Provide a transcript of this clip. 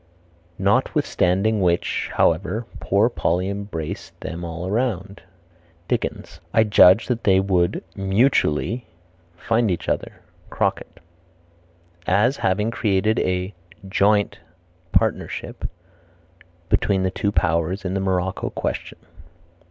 "Notwithstanding which (however) poor Polly embraced them all around." Dickens. "I judged that they would (mutually) find each other." Crockett. "....as having created a (joint) partnership between the two Powers in the Morocco question."